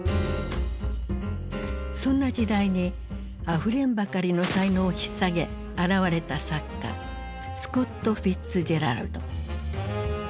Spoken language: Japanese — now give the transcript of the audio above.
そんな時代にあふれんばかりの才能をひっ提げ現れた作家スコット・フィッツジェラルド。